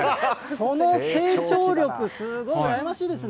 その成長力、すごい、羨ましいですね。